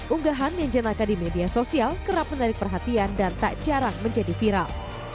unggahan yang jenaka di media sosial kerap menarik perhatian dan tak jarang menjadi viral